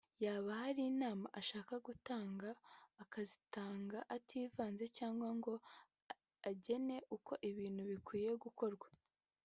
yaba hari inama ashaka gutanga akazitanga ativanze cyangwa ngo agene uko ibintu bikwiye gukorwa